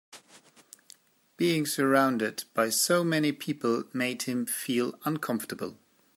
Being surounded by so many people made him feel uncomfortable.